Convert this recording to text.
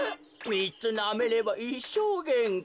みっつなめればいっしょうげんき。